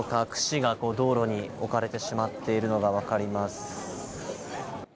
串が道路に置かれてしまっているのがわかります。